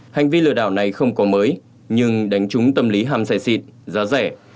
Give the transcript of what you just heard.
hành vi lừa đảo này không có mới nhưng đánh trúng tâm lý ham xe xịn giá rẻ